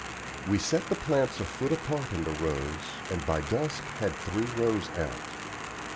We set the plants a foot apart in the rows, and by dusk had three rows out.